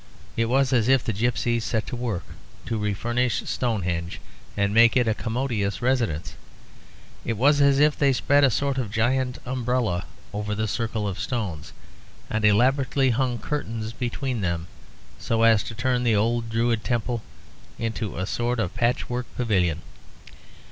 It was as if the gipsies set to work to refurnish Stonehenge and make it a commodious residence. It was as if they spread a sort of giant umbrella over the circle of stones, and elaborately hung curtains between them, so as to turn the old Druid temple into a sort of patchwork pavilion.